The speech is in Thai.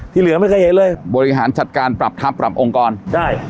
เหลือไม่เคยเห็นเลยบริหารจัดการปรับทัพปรับองค์กรใช่